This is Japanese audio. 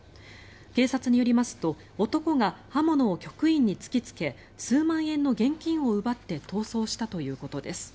警察によりますと男が刃物を局員に突きつけ数万円の現金を奪って逃走したということです。